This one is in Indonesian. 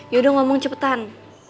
yaudah ngomong cepetan